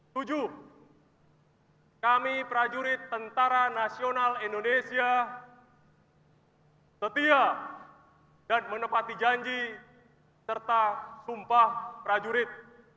tujuh kami prajurit tentara nasional indonesia setia dan menepati janji serta sumpah prajurit